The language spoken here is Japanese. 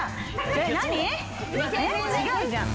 えっ違うじゃん。